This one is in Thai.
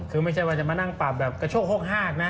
คือไม่ใช่ว่าจะมานั่งปรับแบบกระโชคโฮกนะ